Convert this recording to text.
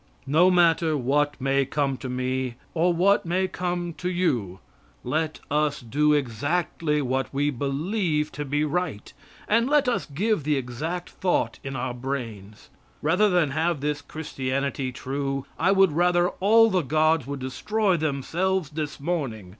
No matter what may come to me or what may come to you, let us do exactly what we believe to be right, and let us give the exact thought in our brains. Rather than have this Christianity true, I would rather all the gods would destroy themselves this morning.